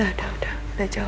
udah udah udah jauh